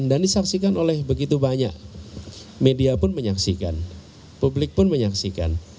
dan disaksikan oleh begitu banyak media pun menyaksikan publik pun menyaksikan